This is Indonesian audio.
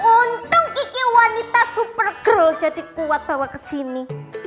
untung iki wanita super grow jadi kuat bawa ke sini